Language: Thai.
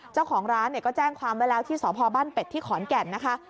เจ้าของร้านเนี่ยก็แจ้งความไว้แล้วที่สพบ้านเป็ดที่ขอนแก่นนะคะ